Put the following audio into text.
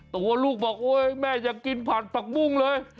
ตัวลูกบอกโอ๊ยแม่อยากกินผัดผักบุ้งเลย